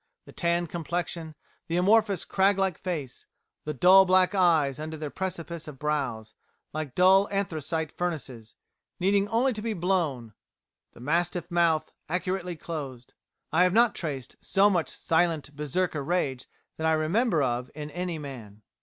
The tanned complexion; the amorphous crag like face; the dull black eyes under their precipice of brows, like dull anthracite furnaces, needing only to be blown; the mastiff mouth, accurately closed: I have not traced so much silent Bersekir rage that I remember of in any man.'"